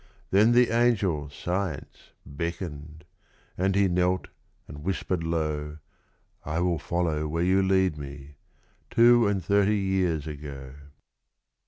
Then the angel, Science, beckoned, and he knelt and whispered low "I will follow where you lead me" two and thirty years ago.